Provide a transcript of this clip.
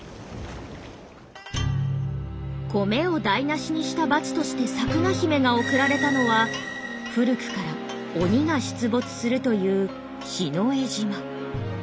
米を台なしにした罰としてサクナヒメが送られたのは古くから鬼が出没するというヒノエ島。